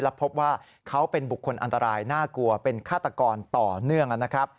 และพบว่าเขาเป็นบุคคลอันตรายน่ากลัวเป็นฆาตกรต่อเนื่องนะครับ